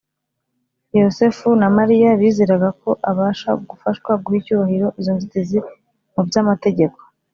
Yosefu na Mariya bizeraga ko abasha gufashwa guha icyubahiro izo ntiti muby’amategeko